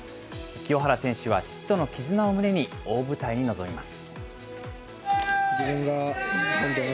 清原選手は父との絆を胸に大舞台に臨みます。